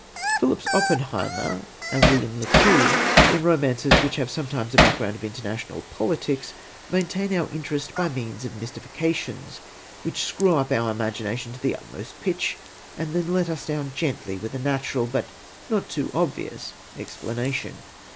Phillips Oppenheim and William Le Queux, in romances which have sometimes a background of international politics, maintain our interest by means of mystifications, which screw up our imagination to the utmost pitch, and then let us down gently with a natural but not too obvious explanation.